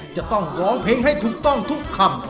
จะต้องร้องเพลงให้ถูกต้องทุกคำ